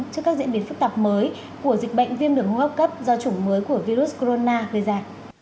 trước các diễn biến phức tạp mới của dịch bệnh viêm đường hô hấp cấp do chủng mới của virus corona gây ra